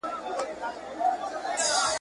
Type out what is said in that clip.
چا خوله وازه په حیرت پورته کتله ,